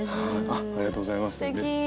ありがとうございます。